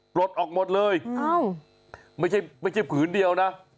ปลดออกหมดเลยไม่ใช่ไม่ใช่ผืนเดียวนะ